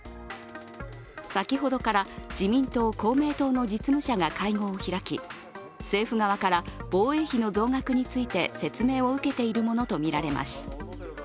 先ほどから自民党・公明党の実務者が会合を開き政府側から防衛費の増額について説明を受けているものとみられます。